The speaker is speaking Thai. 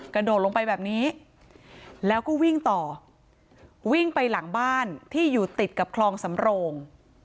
กระโดดลงไปแบบนี้แล้วก็วิ่งต่อวิ่งไปหลังบ้านที่อยู่ติดกับคลองสำโรง